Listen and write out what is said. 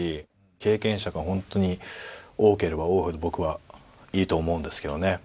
経験者が本当に多ければ多いほど僕はいいと思うんですけどね。